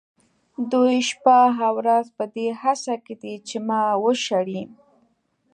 دوی شپه او ورځ په دې هڅه کې دي چې ما وشړي.